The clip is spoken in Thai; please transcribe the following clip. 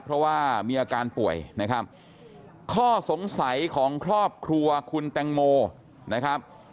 เพราะว่ามีอาการป่วยนะครับข้อสงสัยของครอบครัวคุณแตงโมนะครับ